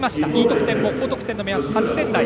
Ｅ得点も高得点の目安８点台。